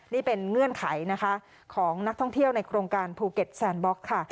นี่เป็นเงื่อนไขนะคะของนักท่องเที่ยวในโครงการภูเก็ตแซนบล็อกค่ะ